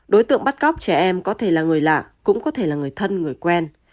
đối tượng bắt cóc trẻ em có thể là người lạ cũng có thể là người thân người quen